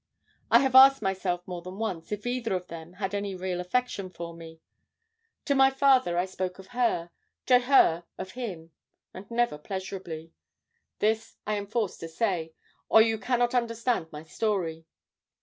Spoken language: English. I have asked myself more than once if either of them had any real affection for me. To my father I spoke of her; to her of him; and never pleasurably. This I am forced to say, or you cannot understand my story.